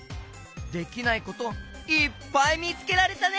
できないこといっぱいみつけられたね。